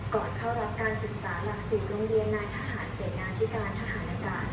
ก่อนเข้ารับการศึกษาหลัก๑๐โรงเรียนนายทหารเสนาที่การทหารอากาศ